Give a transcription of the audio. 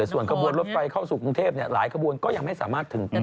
ส่วนกระบวนรถไฟเข้าสู่กรุงเทพฯหลายกระบวนก็ยังไม่สามารถถึงกรุงเทพฯ